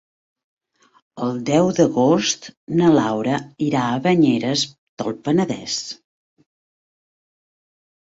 El deu d'agost na Laura irà a Banyeres del Penedès.